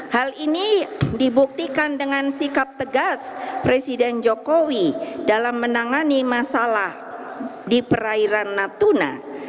hal ini dibuktikan dengan sikap tegas presiden jokowi dalam menangani masalah di perairan natuna